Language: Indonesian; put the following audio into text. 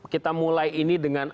kita mulai ini dengan